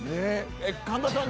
神田さん。